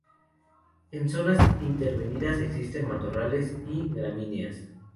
En zonas intervenidas existen matorrales y gramíneas.